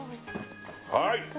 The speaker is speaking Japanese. はい！